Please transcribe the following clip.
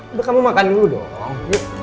udah kamu makan dulu dong